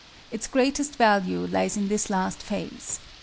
Its greatest value lies in this last phase.